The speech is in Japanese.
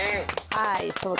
はい。